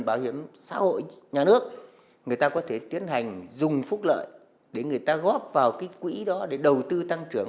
bảo hiểm xã hội nhà nước người ta có thể tiến hành dùng phúc lợi để người ta góp vào cái quỹ đó để đầu tư tăng trưởng